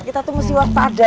kita tuh mesti waspada